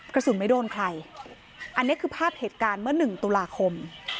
กระสุนไม่โดนใครอันนี้คือภาพเหตุการณ์เมื่อหนึ่งตุลาคม